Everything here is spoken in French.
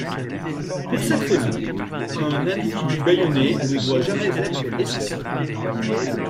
Pour cette raison, un individu bâilloné ne doit jamais être laissé seul.